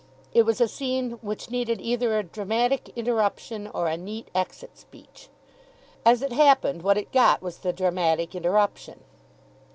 It was a scene which needed either a dramatic interruption or a neat exit speech. As it happened, what it got was the dramatic interruption.